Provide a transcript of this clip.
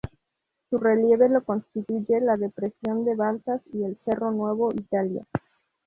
Su relieve lo constituye la Depresión del Balsas y el "Cerro Nueva Italia".